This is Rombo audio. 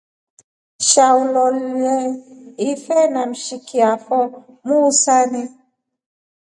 Sha ulolie ife na mshiki afo muhusani.